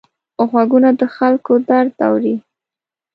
غوږونه د خلکو درد اوري